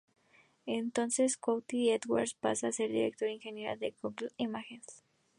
Es entonces cuando Cathy Edwards pasa a ser directora de ingeniería de Google Images.